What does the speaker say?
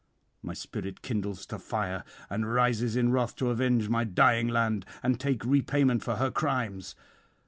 My spirit kindles to fire, and rises in wrath to avenge my dying land and take repayment for her crimes.